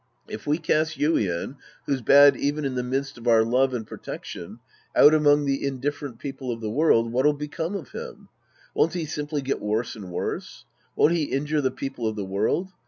If we cast Yuien, who's bad e\'en in the midst of our love and protec tion, out among the indifferent people of the world, what'll become of him ? Won't he simply get worse and worse? Won't he injure the people of the world